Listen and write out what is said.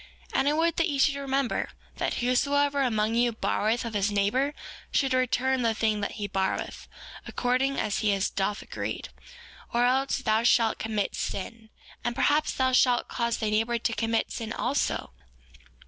4:28 And I would that ye should remember, that whosoever among you borroweth of his neighbor should return the thing that he borroweth, according as he doth agree, or else thou shalt commit sin; and perhaps thou shalt cause thy neighbor to commit sin also.